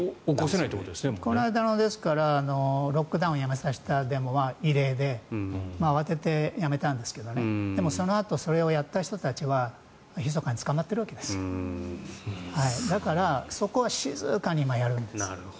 この間のロックダウンをやめさせたデモは異例で慌ててやめたんですけどそのあとそれをやった人たちはひそかに捕まっているわけでそこは静かにやるんです。